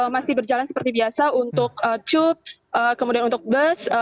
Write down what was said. masih berjalan seperti biasa untuk cup kemudian untuk bus